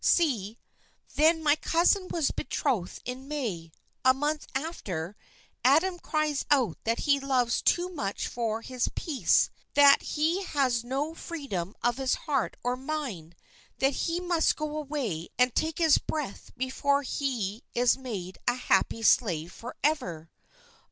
"See, then, my cousin was betrothed in May. A month after Adam cries out that he loves too much for his peace, that he has no freedom of his heart or mind, that he must go away and take his breath before he is made a happy slave forever.